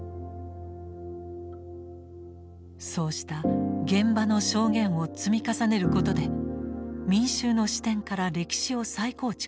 そうした現場の証言を積み重ねることで民衆の視点から歴史を再構築する。